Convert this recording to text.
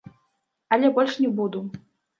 Але больш не буду.